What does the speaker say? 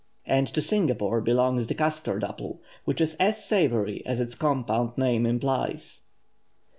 And to Singapore belongs the custard apple, which is as savoury as its compound name implies.